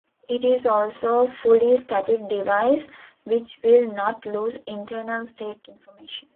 It is also a fully static device, which will not lose internal state information.